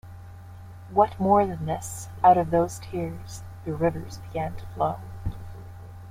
What more than this, out of those tears, the rivers began to flow.